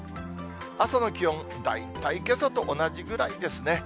朝の気温、大体けさと同じぐらいですね。